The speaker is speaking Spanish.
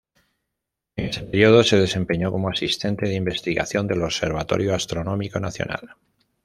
En ese período se desempeñó como asistente de investigación del Observatorio Astronómico Nacional.